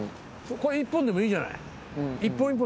これ１本でもいいじゃない。